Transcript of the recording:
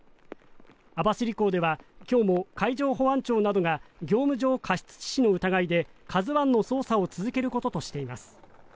網走港では今日も海上保安庁などが業務上過失致死の疑いで「ＫＡＺＵ１」の捜査を続けることとしています。